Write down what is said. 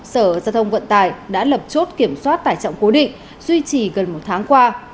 sở giao thông vận tải đã lập chốt kiểm soát tải trọng cố định duy trì gần một tháng qua